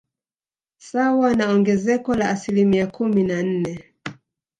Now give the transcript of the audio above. Sawa na ongezeko la asilimia kumi na nne